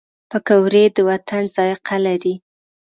پکورې د وطن ذایقه لري